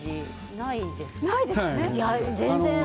ないですね。